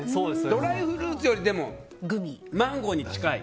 ドライフルーツよりマンゴーに近い。